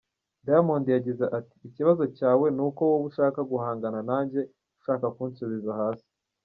Diamond yagize ati, “Ikibazo cyawe ni uko wowe ushaka guhangana nanjye ushaka kunsubiza hasi….